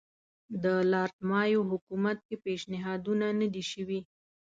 د لارډ مایو حکومت کې پېشنهادونه نه دي شوي.